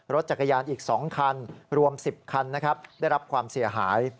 รถจักรยานอีก๒คันรวม๑๐คันนะครับได้รับความเสียหาย